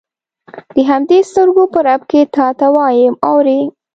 د همدې سترګو په رپ کې تا ته وایم اورې.